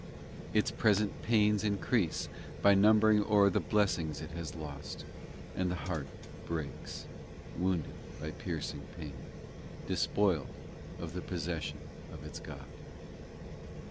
in Its present pains increase By numbering o er the blessings it has lost And the heart breaks, Wounded by piercing pain, Despoiled of the possession of its God.